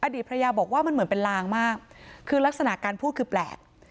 ภรรยาบอกว่ามันเหมือนเป็นลางมากคือลักษณะการพูดคือแปลก